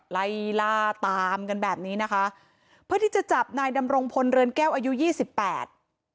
ไล่ล่าตามกันแบบนี้นะคะเพื่อที่จะจับนายดำรงพลเรือนแก้วอายุยี่สิบแปด